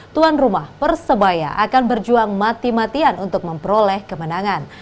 tuan rumah persebaya akan berjuang mati matian untuk memperoleh kemenangan